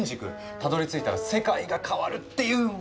たどりついたら世界が変わるっていう。